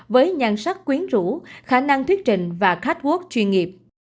với nhan sắc quyến rũ khả năng thuyết trình và khách quốc chuyên nghiệp